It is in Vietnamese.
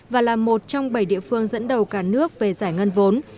và là một trong bảy địa phương dẫn đầu cả nước về giải ngân vốn